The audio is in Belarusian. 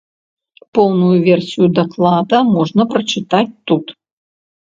Поўную версію даклада можна прачытаць тут.